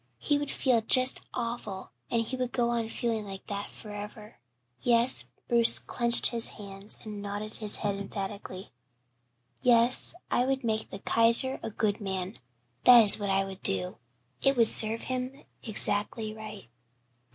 He would feel just awful and he would go on feeling like that forever. Yes" Bruce clenched his hands and nodded his head emphatically, "yes, I would make the Kaiser a good man that is what I would do it would serve him 'zackly right."